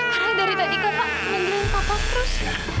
karena dari tadi kava menjengkelkan kakak terus